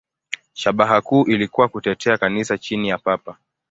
Shabaha kuu ilikuwa kutetea Kanisa chini ya Papa.